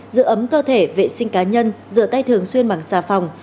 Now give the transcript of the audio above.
giữ ấm cơ thể vệ sinh cá nhân rửa tay thường xuyên bằng xà phòng